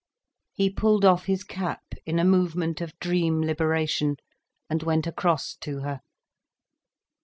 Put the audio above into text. He pulled off his cap, in a movement of dream liberation, and went across to her.